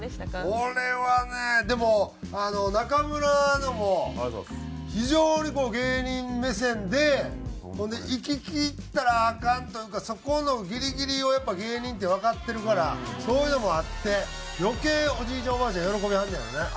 俺はねでもあの中村のも非常に芸人目線でほんでいききったらアカンというかそこのギリギリをやっぱり芸人ってわかってるからそういうのもあって余計おじいちゃんおばあちゃん喜びはんのやろうね。